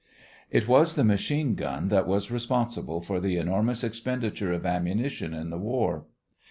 It was the machine gun that was responsible for the enormous expenditure of ammunition in the war.